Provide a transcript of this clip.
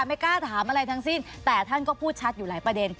ไม่กล้าถามอะไรทั้งสิ้นแต่ท่านก็พูดชัดอยู่หลายประเด็น